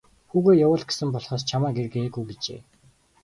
Хүүгээ явуул гэсэн болохоос чамайг ир гээгүй гэжээ.